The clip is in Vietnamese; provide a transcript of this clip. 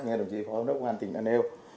như đồng chí phó hợp nước quân an tỉnh đã nêu